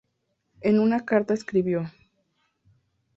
En una carta escribió:.